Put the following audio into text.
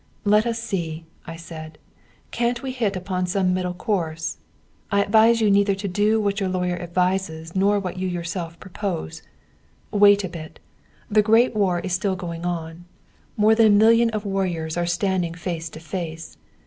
"Let us see," I said, "can't we hit upon some middle course? I advise you neither to do what your lawyer advises nor what you yourself propose. Wait a bit. The great war is still going on, more than a million of warriors are standing face to face.